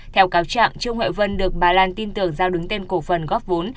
theo cáo trạng trương huệ vân được bà lan tin tưởng giao đứng tên cổ phần góp vốn